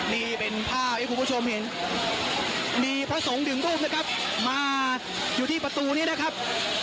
นี่เป็นภาพที่คุณผู้ชมเห็นมีพระสงฆ์หนึ่งรูปนะครับมาอยู่ที่ประตูนี้นะครับ